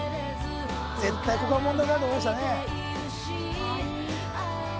絶対ここは問題になると思いましたねはい？